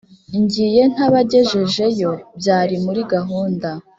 Ngiye ntabagejejeyo Byari muri gahunda;